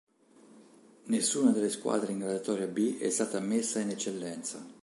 Nessuna delle squadre in graduatoria "B" è stata ammessa in Eccellenza.